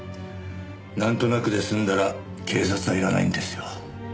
なんとなくで済んだら警察はいらないんですよ。